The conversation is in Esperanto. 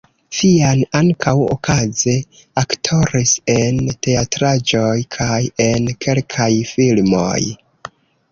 Vian ankaŭ okaze aktoris en teatraĵoj kaj en kelkaj filmoj.